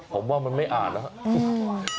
ผมว่ามันไม่อ่านแล้วครับ